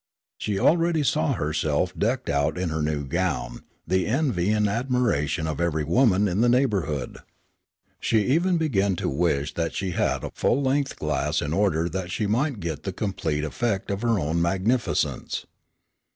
She already saw herself decked out in her new gown, the envy and admiration of every woman in the neighborhood. She even began to wish that she had a full length glass in order that she might get the complete effect of her own magnificence.